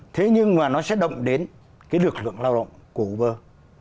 thế nhưng mà nó sẽ động đến cái lực lượng lao động của uber